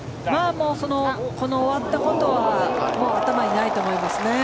この終わったことは頭にないと思います。